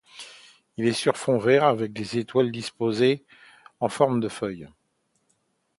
Il est sur fond vert, avec des étoiles disposées en forme de feuille.